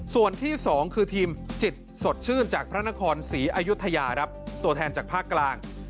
ส่วนที่๒คือทีมจิตสดชื่นจากพระนครศรีอายุทยาครับตัวแทนจากภาคกลาง